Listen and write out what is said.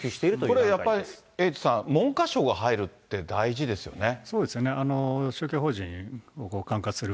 これやっぱり、エイトさん、文科省が入るって大事ですよね。